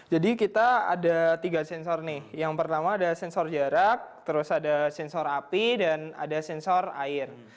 jadi kita ada tiga sensor nih yang pertama ada sensor jarak terus ada sensor api dan ada sensor air